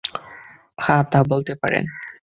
হ্যাঁ, তা বলতে পারেন।